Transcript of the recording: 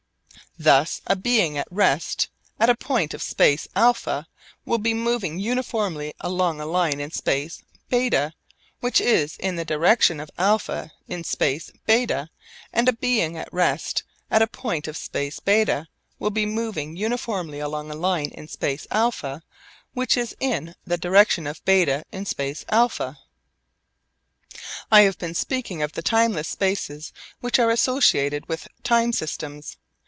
Thus a being at rest at a point of space α will be moving uniformly along a line in space β which is in the direction of α in space β, and a being at rest at a point of space β will be moving uniformly along a line in space α which is in the direction of β in space α. I have been speaking of the timeless spaces which are associated with time systems.